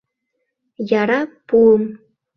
— Яра пуым!